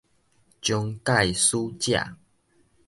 終界使者